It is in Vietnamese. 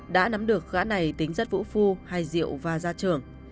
đã nắm được gã này tính rất vũ phu hay diệu và gia trưởng